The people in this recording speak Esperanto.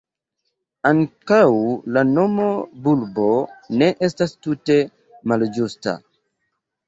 Ankaŭ la nomo bulbo ne estas tute malĝusta.